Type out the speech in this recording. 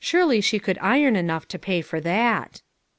Surely she could iron enough to pay for that.